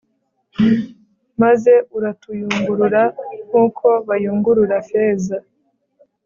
maze uratuyungurura nk'uko bayungurura feza